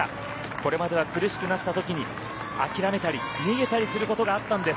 これまでは苦しくなった時に諦めたり逃げたりすることがあったんです